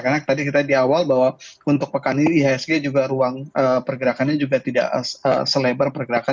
karena tadi kita di awal bahwa untuk pekan ini ihsg juga ruang pergerakannya juga tidak selebar pergerakan